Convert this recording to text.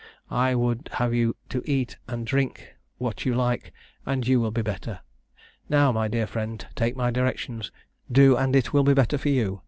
I would have you to eat and drink what you like, and you will be better. Now, my dear friend, take my directions, do and it will be better for you.